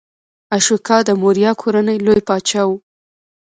اشوکا د موریا کورنۍ لوی پاچا و.